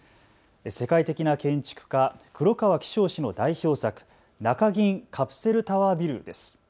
世界的な建築家、黒川紀章氏の代表作、中銀カプセルタワービルです。